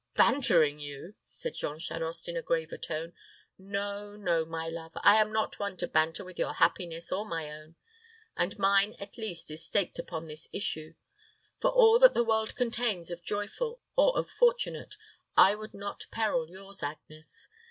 "Bantering you!" said Jean Charost, in a graver tone. "No, no, my love. I am not one to banter with your happiness or my own; and mine, at least, is staked upon this issue. For all that the world contains of joyful or of fortunate, I would not peril yours, Agnes.